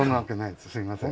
すいません。